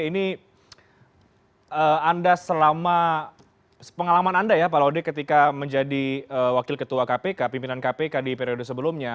ini anda selama pengalaman anda ya pak laude ketika menjadi wakil ketua kpk pimpinan kpk di periode sebelumnya